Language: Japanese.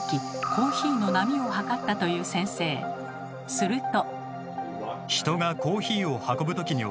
すると。